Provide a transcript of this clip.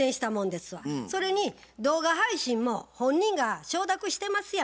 それに動画配信も本人が承諾してますや。